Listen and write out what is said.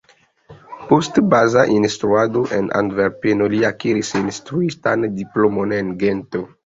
Post baza instruado en Antverpeno li akiris instruistan diplomon en Gento.